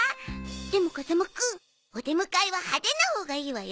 でも風間くんお出迎えは派手なほうがいいわよ。